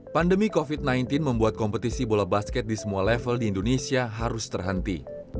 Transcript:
pandemi covid sembilan belas membuat kompetisi bola basket di semua level di indonesia harus terhenti